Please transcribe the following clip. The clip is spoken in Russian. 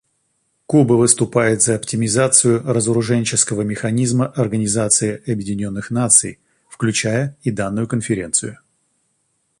Куба выступает за оптимизацию разоруженческого механизма Организации Объединенных Наций, включая и данную Конференцию.